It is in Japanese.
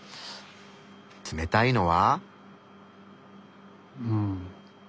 冷たいのは？